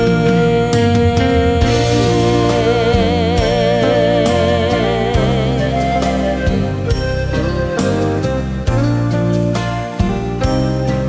ยินดี